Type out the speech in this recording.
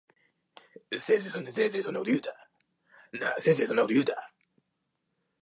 この料理はおいしいですね。